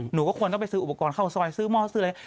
หนูก็ควรต้องไปซื้ออุปกรณ์เข้าซอยซื้อหม้อซื้ออะไร